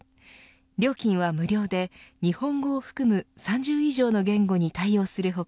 料金は無料で日本語を含む３０以上の言語に対応する他